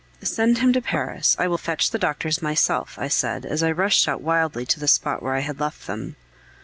"Send him to Paris; I will fetch the doctors myself," I said, as I rushed out wildly to the spot where I had left them.